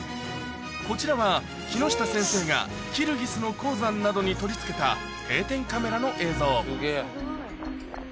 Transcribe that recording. こちらは木下先生がキルギスの高山などに取り付けた定点カメラの映像。